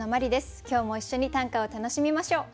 今日も一緒に短歌を楽しみましょう。